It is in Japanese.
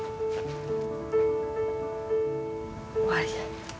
終わりだ。